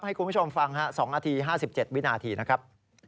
ให้คุณผู้ชมฟัง๒นาที๕๗วินาทีนะครับ